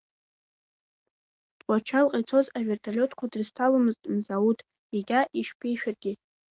Тҟәарчалҟа ицоз аверталиотқәа дрызҭаломызт Мзауҭ, егьа иҽԥишәаргьы.